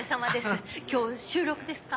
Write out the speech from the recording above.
今日収録ですか？